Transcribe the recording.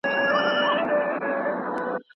نوی نسل تر پخواني نسل ډیر امکانات لري.